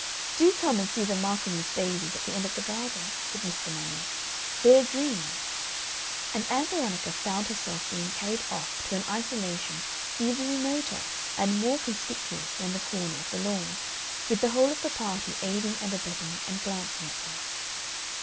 "Do come and see the Michaelmas daisies at the end of the garden," said Mr. Manning, "they're a dream." And Ann Veronica found herself being carried off to an isolation even remoter and more conspicuous than the corner of the lawn, with the whole of the party aiding and abetting and glancing at them.